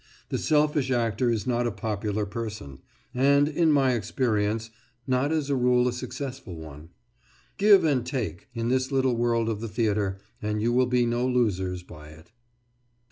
The selfish actor is not a popular person, and, in my experience, not as a rule a successful one. "Give and take," in this little world of the theatre, and you will be no losers by it.